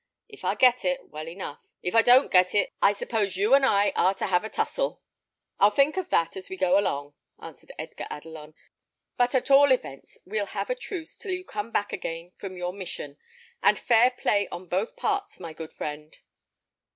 If I get it, well enough; if I don't get it, I suppose you and I are to have a tussle." "I'll think of that as we go along," answered Edgar Adelon; "but, at all events, we'll have a truce till you come back again from your mission, and fair play on both parts, my good friend."